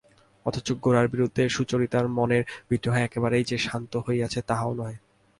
অথচ গোরার বিরুদ্ধে সুচরিতার মনের বিদ্রোহ একেবারেই যে শান্ত হইয়াছে তাহাও নহে।